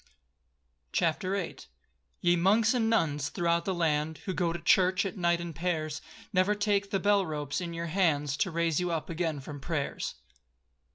CHAPTER VIII Ye monks and nuns throughout the land, Who go to church at night in pairs, Never take bell ropes in your hands, To raise you up again from prayers.